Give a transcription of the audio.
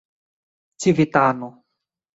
civitano